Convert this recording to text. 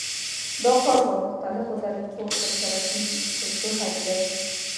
دا کار په مختلفو طریقو تر سره کېږي ترڅو خمېره شي.